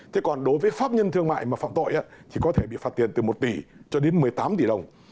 thế còn đối với pháp nhân thương mại mà phạm tội thì có thể bị phạt tiền từ một tỷ cho đến một mươi tám tỷ đồng